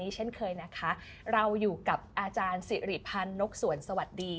เช่นเคยนะคะเราอยู่กับอาจารย์สิริพันธ์นกสวนสวัสดี